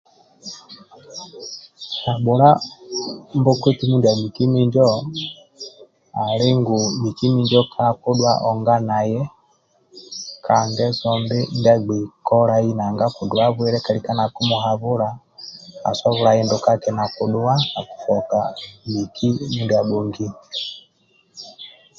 Habhula mbokoti mindia miki minjo ali ngu miki minjo kala kidhua onga naye ka ngeso mbi ndia agbei kolai nanga akiduwa bwile kalika nakimuhabhula asobola hindukaki nakidhuwa nakifoka miki mindia abhongio